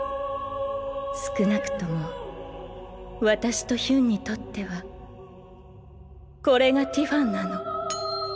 少なくとも私とヒュンにとってはこれがティファンなの。